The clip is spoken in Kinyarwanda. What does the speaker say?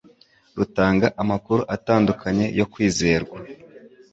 rutanga amakuru atandukanye yo kwizerwa